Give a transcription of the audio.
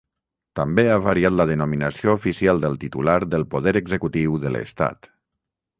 També ha variat la denominació oficial del titular del poder executiu de l'estat.